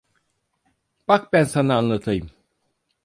Bak ben sana anlatayım…